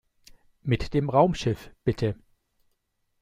Mit dem Raumschiff, bitte!